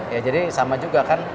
ya jadi sama juga kan